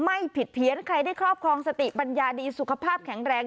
ไม่ผิดเพี้ยนใครได้ครอบครองสติปัญญาดีสุขภาพแข็งแรง